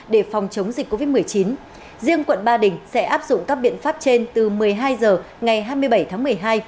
để phòng chống dịch covid một mươi chín riêng quận ba đình sẽ áp dụng các biện pháp trên từ một mươi hai h ngày hai mươi bảy tháng một mươi hai